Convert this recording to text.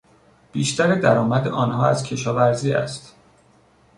بیشتر درآمد آنها از کشاورزی است.